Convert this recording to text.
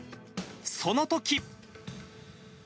そのとき。